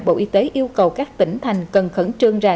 bộ y tế yêu cầu các tỉnh thành cần khẩn trương ra